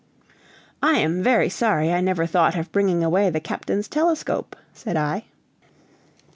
"I am very sorry I never thought of bringing away the captain's telescope," said I.